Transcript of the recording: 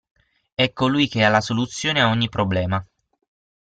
È colui che ha la soluzione a ogni problema.